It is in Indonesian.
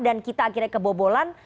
dan kita akhirnya kebobolan